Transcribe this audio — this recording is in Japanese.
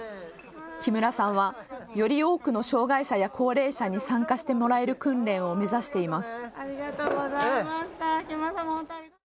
木村さんは、より多くの障害者や高齢者に参加してもらえる訓練を目指しています。